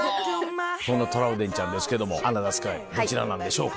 そんなトラウデンちゃんですけどもアナザースカイどちらなんでしょうか？